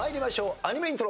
アニメイントロ。